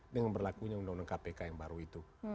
dengan berlakunya undang undang kpk yang baru itu